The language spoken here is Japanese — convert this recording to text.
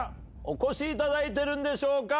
お越しいただいてるでしょうか？